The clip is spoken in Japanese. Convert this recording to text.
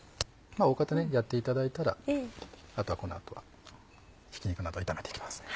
大方やっていただいたらあとはこの後はひき肉など炒めていきます。